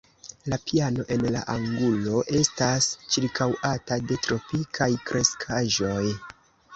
La piano en la angulo estas ĉirkaŭata de tropikaj kreskaĵoj.